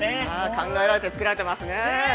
◆考えられてつくられていますよね。